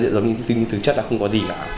giao diện giống như thứ chất là không có gì cả